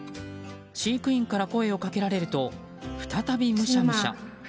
飼育員から声をかけられると再び、むしゃむしゃ。